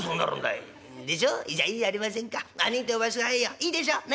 いいでしょ？ね？